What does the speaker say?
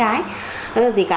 hay là gì cả